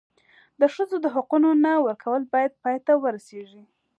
د ښځو د حقونو نه ورکول باید پای ته ورسېږي.